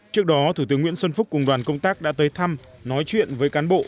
trước đó thủ tướng nguyễn xuân phúc cùng đoàn công tác đã tới thăm nói chuyện với cán bộ